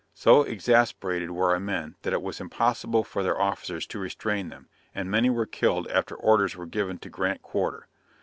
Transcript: So exasperated were our men, that it was impossible for their officers to restrain them, and many were killed after orders were given to grant quarter.